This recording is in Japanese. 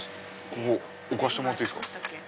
ここ置かしてもらっていいですか。